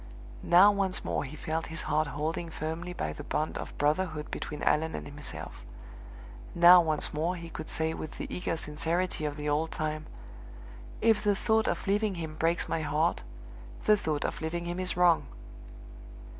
Now once more he felt his heart holding firmly by the bond of brotherhood between Allan and himself; now once more he could say with the eager sincerity of the old time, "If the thought of leaving him breaks my heart, the thought of leaving him is wrong!"